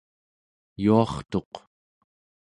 yuartuq